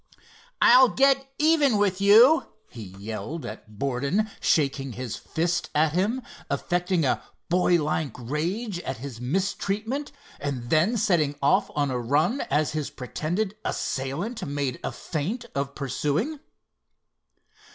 "I'll get even with you!" he yelled at Borden, shaking his fist at him, affecting a boylike rage at his mistreatment, and then setting off on a run as his pretended assailant made a feint of pursuing.